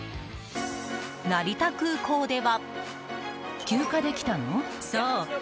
成田空港では。